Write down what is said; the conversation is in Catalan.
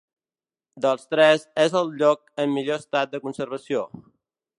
Dels tres és el lloc en millor estat de conservació.